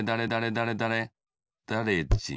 「だれだれだれじん」